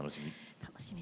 楽しみ。